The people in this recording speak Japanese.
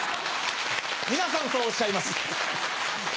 皆さんそうおっしゃいます。